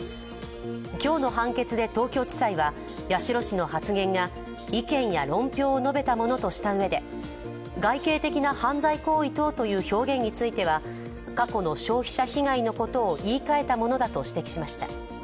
今日の判決で、東京地裁は八代氏の発言が意見や論評を述べたものとしたうえで外形的な犯罪行為等という表現については、過去の消費者被害のことを言いかえたものだと指摘しました。